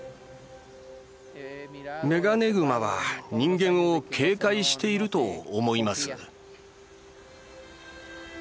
メガネグマは人間を警戒していると思います。